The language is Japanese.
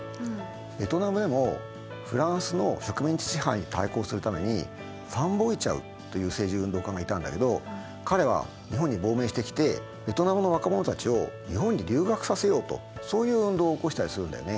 ベトナムでもフランスの植民地支配に対抗するためにファン・ボイ・チャウという政治運動家がいたんだけど彼は日本に亡命してきてベトナムの若者たちを日本に留学させようとそういう運動を起こしたりするんだよね。